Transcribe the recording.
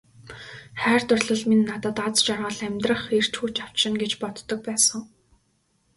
Хайр дурлал минь надад аз жаргал, амьдрах эрч хүч авчирна гэж боддог байсан.